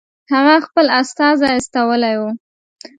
هغه خپل استازی استولی وو.